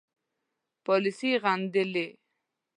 پالیسي یې غندلې.